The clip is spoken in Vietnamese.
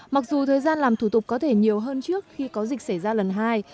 mặc dù thời gian làm thủ tục có thể nhiều hơn trước khi có dịch xảy ra lần hai